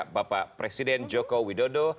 bapak presiden joko widodo